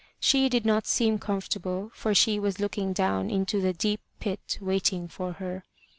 She did not seem comfortable, for she was looking down into the deep pit waiting for her.